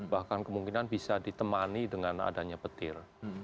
bahkan kemungkinan bisa ditemani dengan adanya petir